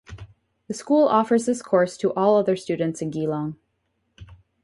The school offers this course to all other students in Geelong.